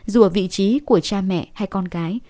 dù ở vị trí của cha mẹ hay con gái